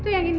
itu yang ini